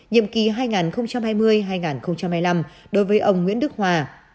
nhiệm kỳ hai nghìn hai mươi hai nghìn hai mươi năm đối với ông nguyễn đức hòa